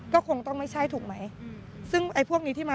ก็คงต้องไม่ใช่ถูกไหมซึ่งไอ้พวกนี้ที่มา